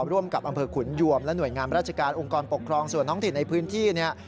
ร่วมกับอำเภอขุนยวมและห่วยงามราชการองค์กรปกครองส่วนท้องถิ่นในพื้นที่เนี่ย